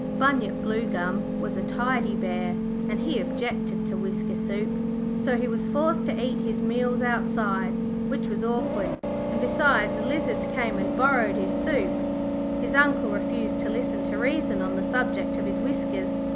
Bunyip Bluegum was a tidy bear, and he objected to whisker soup, so he was forced to eat his meals outside, which was awkward, and besides, lizards came and borrowed his soup. His Uncle refused to listen to reason on the subject of his whiskers.